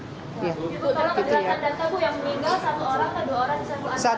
itu kalau kandang kandang kamu yang meninggal satu orang atau dua orang bisa diantar